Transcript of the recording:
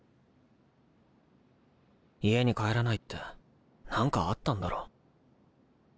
家に帰らないってなんかあったんだろ？